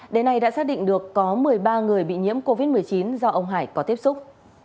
đến nay đã xác định được có một mươi ba người bị nhiễm covid một mươi chín do ông hải có tiếp xúc